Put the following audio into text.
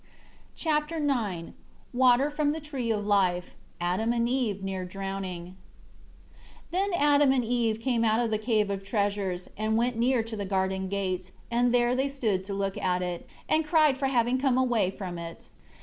Chapter IX Water from the Tree of Life. Adam and Eve near drowning. 1 Then Adam and Eve came out of the Cave of Treasures, and went near to the garden gate, and there they stood to look at it, and cried for having come away from it.